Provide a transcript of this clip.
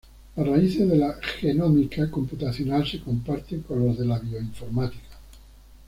Las raíces de la genómica computacional se comparten con los de la bioinformática.